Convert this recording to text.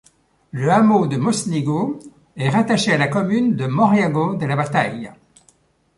Le hameau de Mosnigo est rattaché à la commune de Moriago della Bataglia.